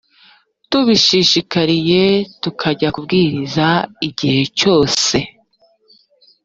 tubishishikariye, tukajya kubwiriza igihe cyose